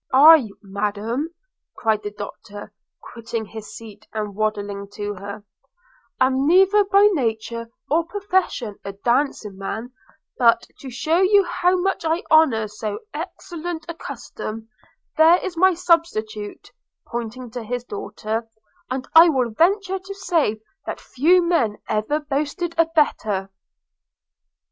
'I, Madam,' cried the Doctor, quitting his seat and waddling to her, 'am neither by nature or profession a dancing man; but, to shew you how much I honour so excellent a custom, there is my substitute (pointing to his daughter), and I will venture to say that few men ever boasted a better.'